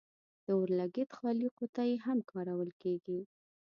د اور لګیت خالي قطۍ هم کارول کیږي.